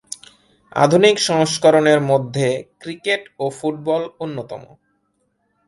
আধুনিক সংস্করণের মধ্যে ক্রিকেট ও ফুটবল অন্যতম।